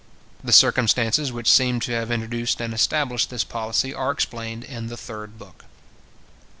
The circumstances which seem to have introduced and established this policy are explained in the third book.